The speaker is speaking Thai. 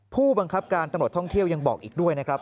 ผู้บังคับการตำรวจท่องเที่ยวยังบอกอีกด้วยนะครับ